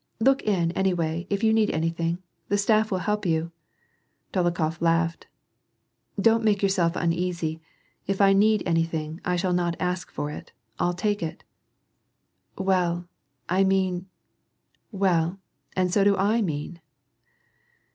" Look in, anyway ; if you need anything, the staff will help you." Dolokhof laughed. " Don't make yourself uneasy. If I need anything, I shall not ask for it : I'll take it." " Well, I mean "—" Well, and so do I mean."